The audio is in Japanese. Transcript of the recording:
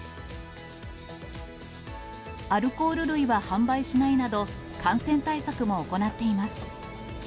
アルコール類は販売しないなど、感染対策も行っています。